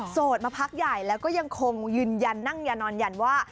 มาพักใหญ่แล้วก็ยังคงยืนยันนั่งยานอนยันว่า